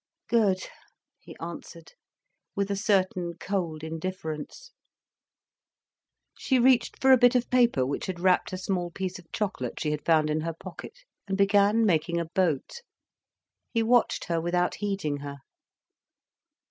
"Good," he answered, with a certain cold indifference. She reached for a bit of paper which had wrapped a small piece of chocolate she had found in her pocket, and began making a boat. He watched her without heeding her.